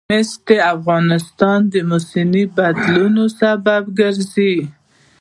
مس د افغانستان د موسم د بدلون سبب کېږي.